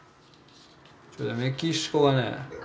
「メキシコがね